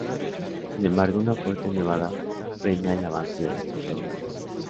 Sin embargo, una fuerte nevada frena el avance de las tropas de Napoleón.